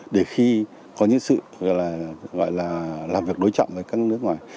để khi có những sự làm việc đối trọng với các nước ngoài